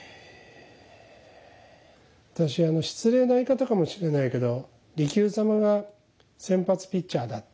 私はあの失礼な言い方かもしれないけど利休様が先発ピッチャーだって。